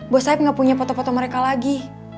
bos saya gak punya foto foto mereka lagi